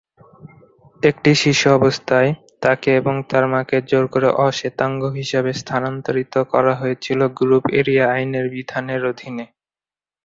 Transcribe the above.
একটি শিশু অবস্থায়, তাকে এবং তার মাকে জোর করে "অ-শ্বেতাঙ্গ" হিসাবে স্থানান্তরিত করা হয়েছিল গ্রুপ এরিয়া আইনের বিধানের অধীনে।